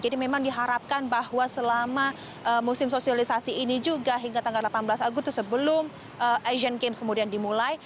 jadi memang diharapkan bahwa selama musim sosialisasi ini juga hingga tanggal delapan belas agustus sebelum asian games kemudian dimulai